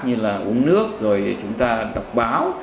như là uống nước rồi chúng ta đọc báo